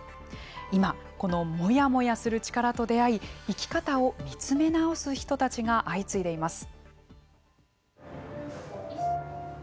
今、このモヤモヤする力と出会い生き方を見つめ直す人たちが相次いでいます。